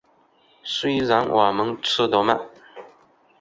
虽然我们吃很慢